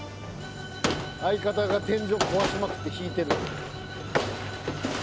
相方が天井壊しまくって引いてる。